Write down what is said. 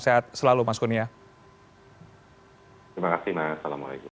jangan lupa like dan subscribe tym lee point